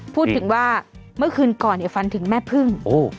พูดถึงว่าเมื่อคืนก่อนฟันถึงแม่พึ่ง